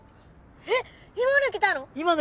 えっ今抜けたの？